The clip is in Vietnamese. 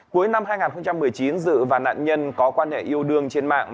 cuối năm hai nghìn một mươi chín dự và nạn nhân có quan hệ yêu đương trên mạng